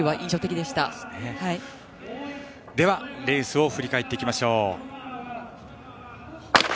では、レースを振り返っていきましょう。